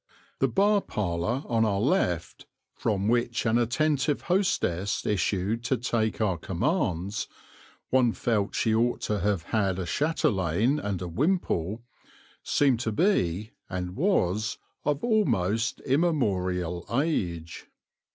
The bar parlour on the left, from which an attentive hostess issued to take our commands one felt she ought to have a chatelaine and a wimple seemed to be, and was, of almost immemorial age.